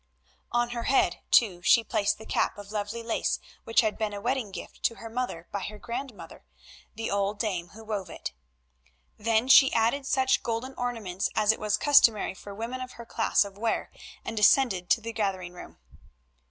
On her head, too, she placed the cap of lovely lace which had been a wedding gift to her mother by her grandmother, the old dame who wove it. Then she added such golden ornaments as it was customary for women of her class to wear, and descended to the gathering room.